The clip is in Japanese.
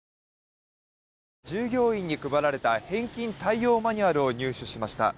従業員に配られた返金対応マニュアルを入手しました。